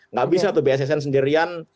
nggak bisa tuh bssn sendirian